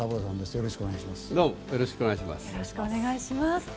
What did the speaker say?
よろしくお願いします。